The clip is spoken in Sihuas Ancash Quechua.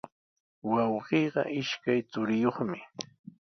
Wawqiiqa ishkay churiyuqmi.